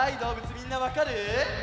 みんなわかる？